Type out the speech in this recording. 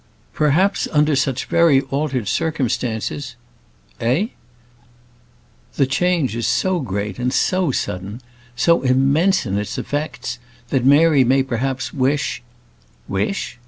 "Perhaps, under such very altered circumstances " "Eh?" "The change is so great and so sudden, so immense in its effects, that Mary may perhaps wish " "Wish!